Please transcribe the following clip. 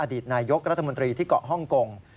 ตนายกรัฐมนตรีที่เกาะฮ่องกง